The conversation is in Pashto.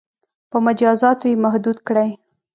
• په مجازاتو یې محدود کړئ.